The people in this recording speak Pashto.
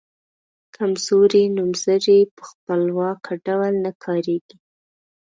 کمزوري نومځري په خپلواکه ډول نه کاریږي.